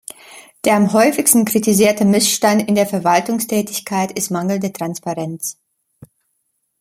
Der am häufigsten kritisierte Missstand in der Verwaltungstätigkeit ist mangelnde Transparenz.